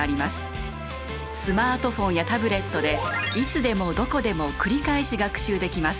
スマートフォンやタブレットでいつでもどこでも繰り返し学習できます。